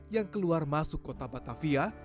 yang keluar masuk kota batavia